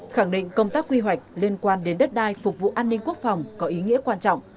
khẳng định công tác quy hoạch liên quan đến đất đai phục vụ an ninh quốc phòng có ý nghĩa quan trọng